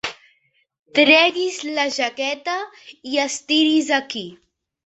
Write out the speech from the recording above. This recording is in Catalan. Tregui's la jaqueta i estiri's aquí.